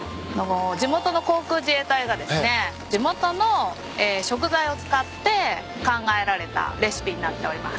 地元の航空自衛隊がですね地元の食材を使って考えられたレシピになっております。